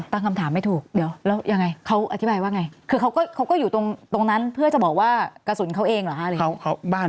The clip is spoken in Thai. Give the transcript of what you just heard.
ตั้งคำถามไม่ถูกเดี๋ยวแล้วยังไงเขาอธิบายว่าไงคือเขาก็อยู่ตรงนั้นเพื่อจะบอกว่ากระสุนเขาเองเหรอคะ